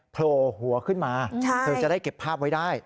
โผล่หัวขึ้นมาเธอจะได้เก็บภาพไว้ได้